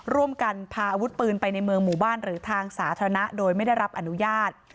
ร่วมกันพาอาวุธปืนไปในเมืองหมู่บ้านหรือทางสาธารณะโดยไม่ได้รับอนุญาต